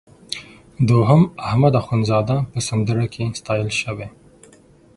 دوهم احمد اخوندزاده په سندره کې ستایل شوی.